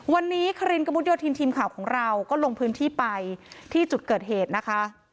วันนี้คยทีมข่าวของเราก็ลงพื้นที่ไปที่จุดเกิดเหตุนะคะ